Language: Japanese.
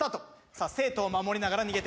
さあ生徒を守りながら逃げている先生。